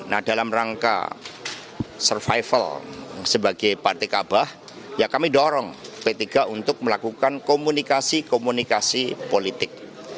nah dalam rangka survival sebagai partai kabah ya kami dorong p tiga untuk melakukan komunikasi komunikasi politik